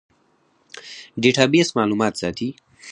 ډیټابیس معلومات ساتي